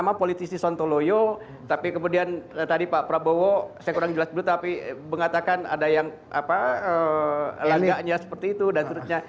sama politisi sontoloyo tapi kemudian tadi pak prabowo saya kurang jelas dulu tapi mengatakan ada yang langganya seperti itu dan seterusnya